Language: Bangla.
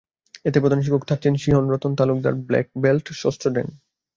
এতে প্রধান প্রশিক্ষক থাকছেন Shihan Ratan Talukdar, black belt, ষষ্ঠ ডেন।